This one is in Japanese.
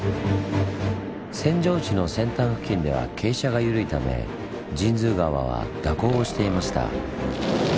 扇状地の扇端付近では傾斜が緩いため神通川は蛇行をしていました。